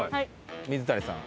水谷さん